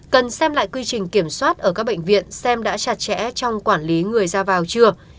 cần xem lại quy trình kiểm soát ở các bệnh viện xem đã chặt chẽ trong quản lý người ra vào chưa